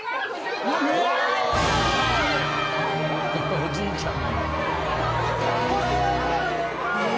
おじいちゃんも。